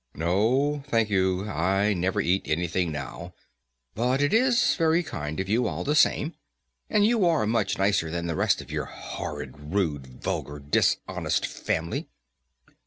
"No, thank you, I never eat anything now; but it is very kind of you, all the same, and you are much nicer than the rest of your horrid, rude, vulgar, dishonest family."